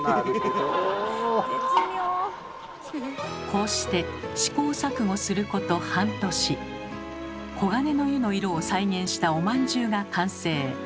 こうして試行錯誤すること半年「黄金の湯」の色を再現したおまんじゅうが完成。